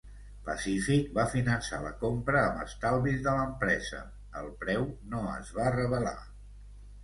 Pacific va finançar la compra amb estalvis de l'empresa. El preu no es va revelar.